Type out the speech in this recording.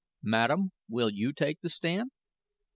"Madam, will you take the stand?"